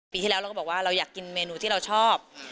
ที่แล้วเราก็บอกว่าเราอยากกินเมนูที่เราชอบ